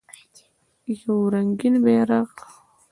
یو رنګین بیرغ